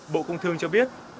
bộ công thương cho biết